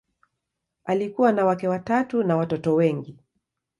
Alikuwa na wake watatu na watoto wengi.